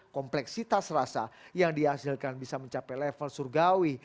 kompleksitas rasa yang dihasilkan bisa mencapai level surgawi